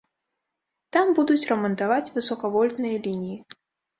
Там будуць рамантаваць высакавольтныя лініі.